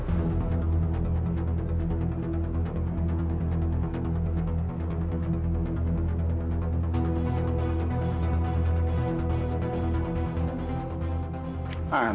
aku mau pergi